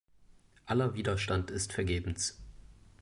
Aller Widerstand ist vergebens.